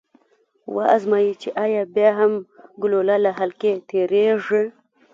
و ازمايئ چې ایا بیا هم ګلوله له حلقې تیریږي؟